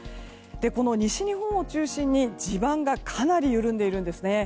この西日本を中心に地盤がかなり緩んでいるんですね。